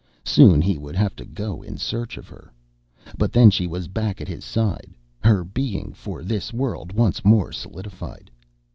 Soon he would have to go in search of her. But then she was back at his side, her being for this world once more solidified.